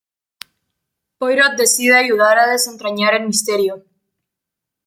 Poirot decide ayudar a desentrañar el misterio.